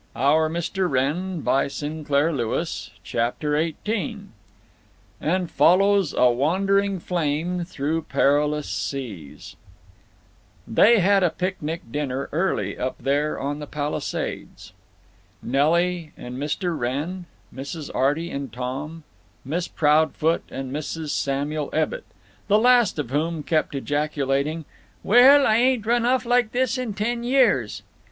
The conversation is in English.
I don't, really. Now, good night." CHAPTER XVIII AND FOLLOWS A WANDERING FLAME THROUGH PERILOUS SEAS They had picnic dinner early up there on the Palisades: Nelly and Mr. Wrenn, Mrs. Arty and Tom, Miss Proudfoot and Mrs. Samuel Ebbitt, the last of whom kept ejaculating: "Well! I ain't run off like this in ten years!"